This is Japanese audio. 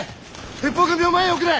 鉄砲組を前へ送れ！